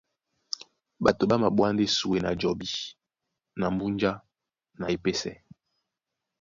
Ɓato ɓá maɓwá ndé súe na jɔbí na mbúnjá na epésɛ.